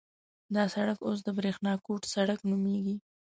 دغه سړک اوس د برېښنا کوټ سړک نومېږي.